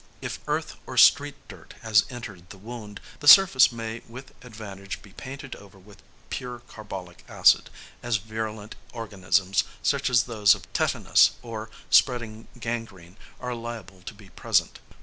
If earth or street dirt has entered the wound, the surface may with advantage be painted over with pure carbolic acid, as virulent organisms, such as those of tetanus or spreading gangrene, are liable to be present.